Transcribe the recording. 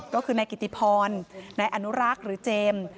ก็คือนายกิติพรนายอนุรักษ์หรือเจมส์